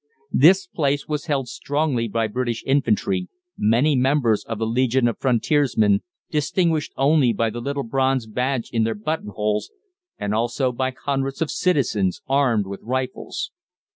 This place was held strongly by British Infantry, many members of the Legion of Frontiersmen distinguished only by the little bronze badge in their buttonholes and also by hundreds of citizens armed with rifles.